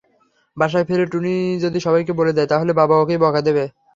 বাসায় ফিরে টুনি যদি সবাইকে বলে দেয়, তাহলে বাবা ওকেই বকা দেবেন।